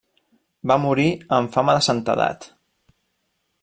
Va morir amb fama de santedat.